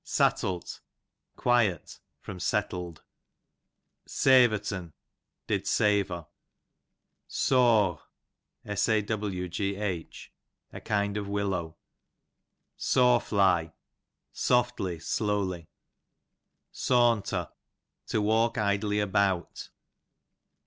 Sattlt, quiet, from settled. Savort'n, did savor. Sawgh, a kind of ivillow. Sawfly, softly, slowly. Sawuter, to walk idly about.